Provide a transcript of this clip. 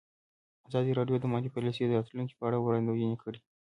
ازادي راډیو د مالي پالیسي د راتلونکې په اړه وړاندوینې کړې.